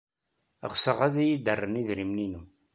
Ɣseɣ ad iyi-d-rren idrimen-inu.